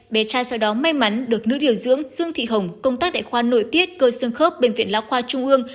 bé trai sau đó may mắn được nước điều dưỡng dương thị hồng công tác đại khoa nội tiết cơ sơn khớp bệnh viện lao khoa trung ương